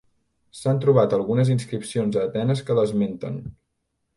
S'han trobat algunes inscripcions a Atenes que l'esmenten.